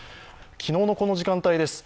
昨日のこの時間帯です